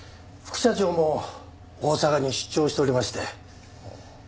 副社長も大阪に出張しておりまして。